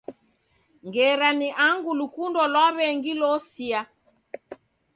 Ngera ni angu lukundo lwa w'engi losia.